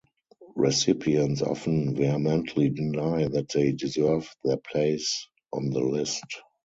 Recipients often vehemently deny that they deserve their place on the list.